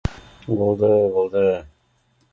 Булды булды